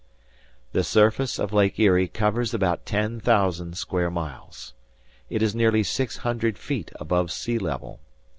The surface of Lake Erie covers about ten thousand square miles. It is nearly six hundred feet above sea level.